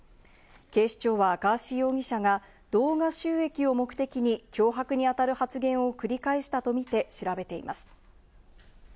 警視庁はガーシー容疑者が動画収益を目的に脅迫に当たる発言を繰り返したとみて調べています。